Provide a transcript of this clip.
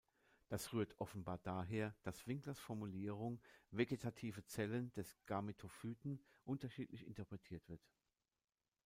Das rührt offenbar daher, dass Winklers Formulierung „vegetative Zellen des Gametophyten“ unterschiedlich interpretiert wird.